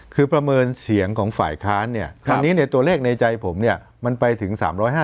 คือประเมินเสียงของฝ่ายค้าตอนนี้ต์ตัวเลขในใจผมมันไปถึง๓๕๐๓๘๐